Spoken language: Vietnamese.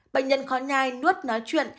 bệnh nhân khó nhai nuốt nói chuyện